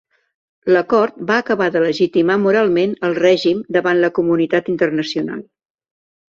L'acord va acabar de legitimar moralment el règim davant la comunitat internacional.